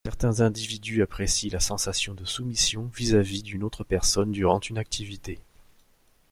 Certains individus apprécient la sensation de soumission vis-à-vis d'une autre personne durant une activité.